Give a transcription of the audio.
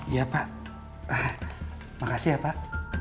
ya pak makasih ya pak